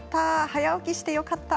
早起きしてよかった。